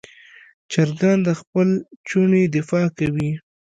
چرګان د خپل چوڼې دفاع کوي.